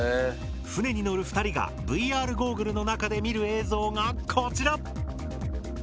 舟に乗る２人がＶＲゴーグルの中で見る映像がこちら！